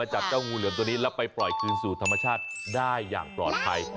จับเจ้างูเหลือมตัวนี้แล้วไปปล่อยคืนสู่ธรรมชาติได้อย่างปลอดภัย